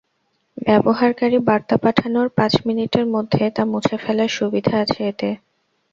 ব্যবহারকারী বার্তা পাঠানোর পাঁচ মিনিটের মধ্যে তা মুছে ফেলার সুবিধা আছে এতে।